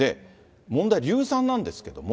問題、硫酸なんですけども。